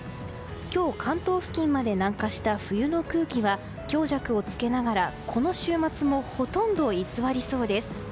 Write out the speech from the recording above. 今日、関東付近まで南下した冬の空気は強弱をつけながらこの週末もほとんど居座りそうです。